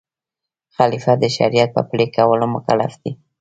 خلیفه د شریعت په پلي کولو مکلف دی.